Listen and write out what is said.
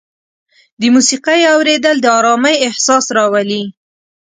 د موسیقۍ اورېدل د ارامۍ احساس راولي.